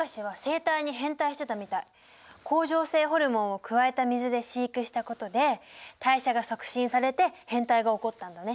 でも大昔は甲状腺ホルモンを加えた水で飼育したことで代謝が促進されて変態が起こったんだね。